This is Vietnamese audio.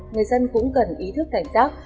người dân cũng cần ý thức cảnh giác